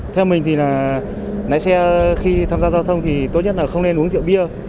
theo mình thì là lái xe khi tham gia giao thông thì tốt nhất là không nên uống rượu bia